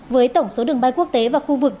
với tổng số đường bay quốc tế và khu vực